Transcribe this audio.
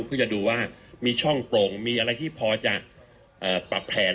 เพื่อจะดูว่ามีช่องโปร่งมีอะไรที่พอจะปรับแผน